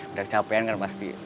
udah capean kan pasti